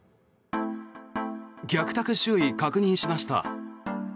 客宅周囲確認しました。